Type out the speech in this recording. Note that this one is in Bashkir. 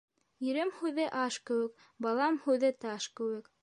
Ирем һүҙе аш кеүек, балам һүҙе таш кеүек.